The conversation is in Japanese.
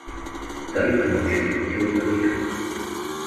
第九の術テオザケル